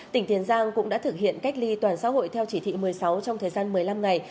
tỉnh tiền giang cũng đã thực hiện cách ly toàn xã hội theo chỉ thị một mươi sáu trong thời gian một mươi năm ngày